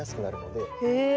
へえ。